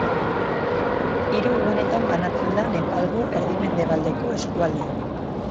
Hiru gunetan banatzen da Nepalgo Erdi-mendebaldeko eskualdea.